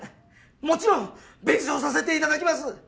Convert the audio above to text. もちろん弁償させていただきます！